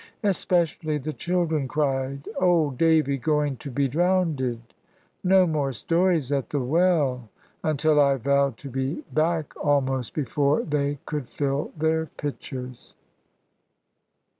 Especially the children cried "Old Davy going to be drownded! No more stories at the well!" Until I vowed to be back almost before they could fill their pitchers.